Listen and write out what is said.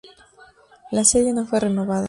La serie no fue renovada.